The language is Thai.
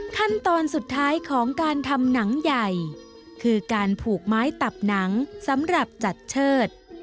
ขั้นตอนสุดท้ายของการทำหนังใหญ่คือการผูกไม้ตับหนังสำหรับจัดเชิด